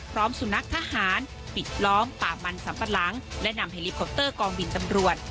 สุนัขทหารปิดล้อมป่ามันสัมปะหลังและนำเฮลิคอปเตอร์กองบินตำรวจ